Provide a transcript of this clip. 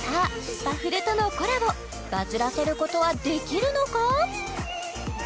スパフルとのコラボバズらせることはできるのか？